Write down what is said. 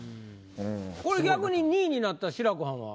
これ逆に２位になった志らくはんは。